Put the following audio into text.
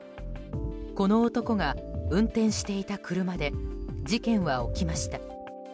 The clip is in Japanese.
この男が運転していた車で事件は起きました。